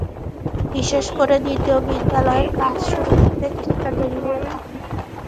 বিশেষ করে দ্বিতীয় বিদ্যালয়ের ক্লাস শুরু হতে কিছুটা দেরি হয়ে থাকে।